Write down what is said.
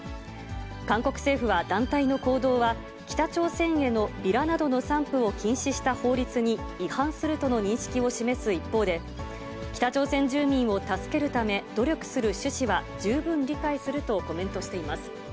韓国政府は団体の行動は、北朝鮮へのビラなどの散布を禁止した法律に違反するとの認識を示す一方で、北朝鮮住民を助けるため、努力する趣旨は十分理解するとコメントしています。